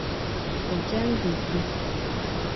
Ko chang' pik yu